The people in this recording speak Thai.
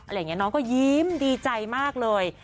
อะไรอย่างนี้น้องก็ยิ้มดีใจมากเลย